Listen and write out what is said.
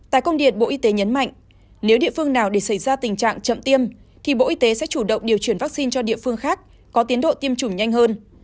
tại công điện bộ y tế nhấn mạnh nếu địa phương nào để xảy ra tình trạng chậm tiêm thì bộ y tế sẽ chủ động điều chuyển vaccine cho địa phương khác có tiến độ tiêm chủng nhanh hơn